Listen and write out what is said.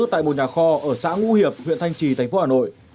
tại một nhà kho ở xã ngũ hiệp huyện thanh trì thành phố hà nội